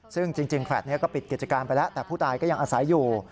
ซึ่งจริงแฟลต์นี้ก็ปิดกิจการไปแล้วแต่ผู้ตายก็ยังอาศัยอยู่